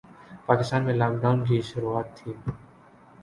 پاکستان میں lockdown کی شروعات تھیں